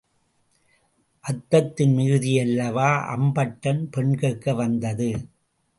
அத்தத்தின் மிகுதியல்லவா, அம்பட்டன் பெண் கேட்க வந்தது?